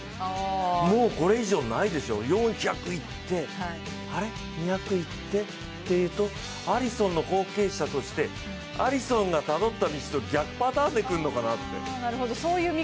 もうこれ以上ないでしょう、４００いって、あれっ２００行ってっていうとアリソンの後継者としてアリソンがたどった道と逆パターンでくるのかなって。